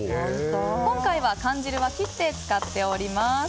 今回は缶汁は切って使っております。